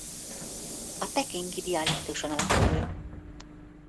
A pekingi dialektuson alapul.